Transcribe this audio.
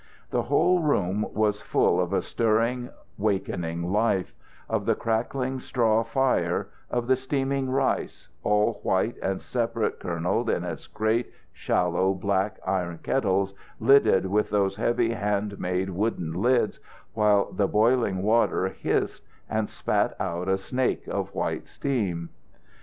The whole room was full of a stirring, wakening life, of the crackling straw fire, of the steaming rice, all white and separate kerneled in its great, shallow, black iron kettles lidded with those heavy hand made wooden lids while the boiling tea water hissed, and spat out a snake of white steam.